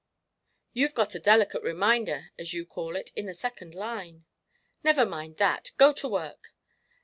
"You've got a 'delicate reminder,' as you call it, in the second line." "Never mind that; go to work."